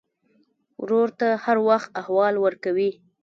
ورور ته هر وخت احوال ورکوې.